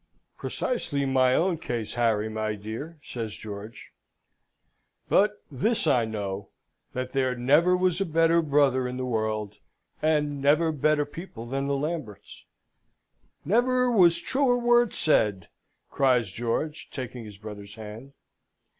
"Precisely my own case, Harry, my dear!" says George. "But this I know, that there never was a better brother in the world; and never better people than the Lamberts." "Never was truer word said!" cries George, taking his brother's hand.